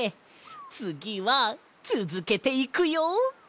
つぎはつづけていくよ！